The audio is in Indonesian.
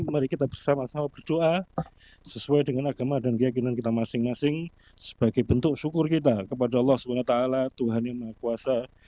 mari kita bersama sama berdoa sesuai dengan agama dan keyakinan kita masing masing sebagai bentuk syukur kita kepada allah swt tuhan yang maha kuasa